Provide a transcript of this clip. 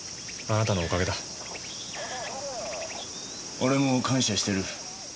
俺も感謝してる。